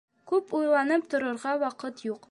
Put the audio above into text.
Күп уйланып торорға ваҡыт юҡ.